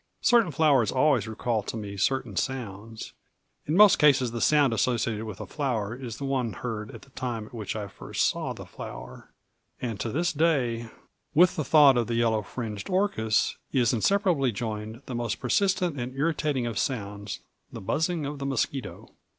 Certain flowers always recall to me certain sounds; in most cases the sound associated with a flower is the one heard at the time at which I first saw the flower; and to this day, with the thought of the yellow fringed orchis is inseparably joined that most persistent and irritating of sounds, the buzzing of the mosquito.